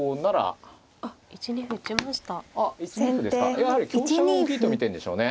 やはり香車が大きいと見てるんでしょうね。